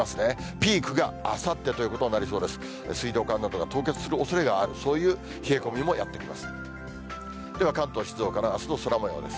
ピークがあさってということになりそうです。